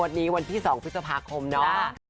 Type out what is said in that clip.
วันนี้วันที่๒พฤษภาคมเนาะ